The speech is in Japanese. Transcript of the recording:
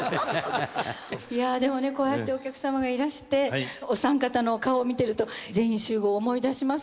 いやでもねこうやってお客様がいらしてお三方のお顔を見てると「全員集合」を思い出します。